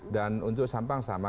dan untuk sampang sama